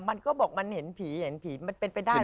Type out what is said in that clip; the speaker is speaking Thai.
มันก็บอกมันเห็นผีเห็นผีมันเป็นไปได้